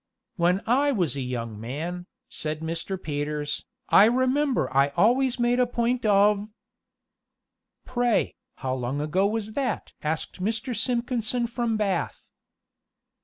"When I was a young man," said Mr. Peters, "I remember I always made a point of " "Pray, how long ago was that?" asked Mr. Simpkinson from Bath.